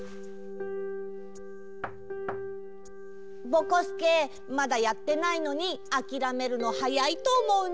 ぼこすけまだやってないのにあきらめるのはやいとおもうんだけど。